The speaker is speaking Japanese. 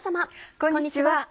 こんにちは。